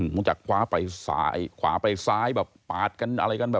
รู้จักคว้าไปซ้ายขวาไปซ้ายแบบปาดกันอะไรกันไป